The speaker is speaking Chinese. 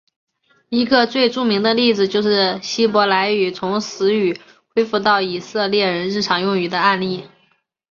一个最著名的例子是希伯来语从死语恢复到以色列人日常用语的案例。